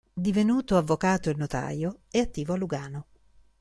Divenuto avvocato e notaio è attivo a Lugano.